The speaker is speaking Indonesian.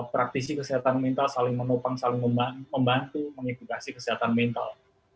praktisi kesehatan mental saling menopang saling membantu mengedukasi kesehatan mental